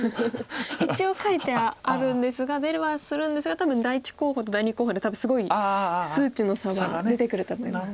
一応書いてあるんですが出はするんですが第１候補と第２候補で多分すごい数値の差は出てくると思います。